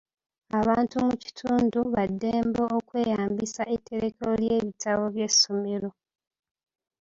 Abantu mu kitundu ba ddembe okweyambisa etterekero ly'ebitabo by'essomero.